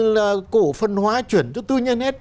là cổ phần hóa chuyển cho tư nhân hết